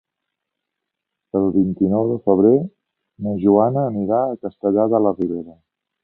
El vint-i-nou de febrer na Joana anirà a Castellar de la Ribera.